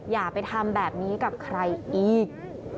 อย่าไปทำแบบนี้กับใครอีก